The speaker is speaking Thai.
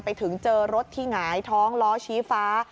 ไปถึงเจอรถที่หงายท้องล้อชี้ฟ้า